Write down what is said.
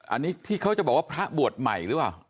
อันนี้ที่เขาจะบอกว่าพระบวชใหม่หรือเปล่า